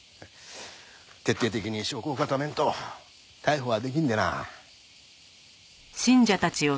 徹底的に証拠を固めんと逮捕はできんでな。